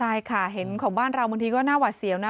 ใช่ค่ะเห็นของบ้านเราบางทีก็น่าหวัดเสียวนะ